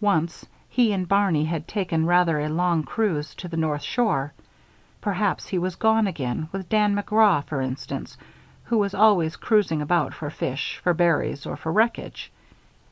Once, he and Barney had taken rather a long cruise to the north shore. Perhaps he had gone again; with Dan McGraw, for instance, who was always cruising about for fish, for berries, or for wreckage.